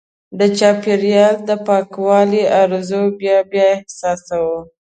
د چاپېریال د پاکوالي ارزو بیا بیا احساسوو.